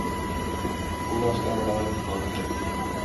Uda ostean erabakiko dute.